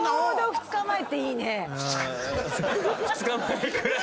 「２日前くらいから」！